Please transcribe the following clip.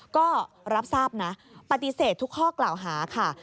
ก็รับทราบนะปฏิเสธทุกข้อกล่าวหาค่ะ